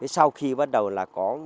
sau khi bắt đầu là có